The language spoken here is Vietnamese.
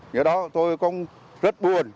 do đó tôi cũng rất buồn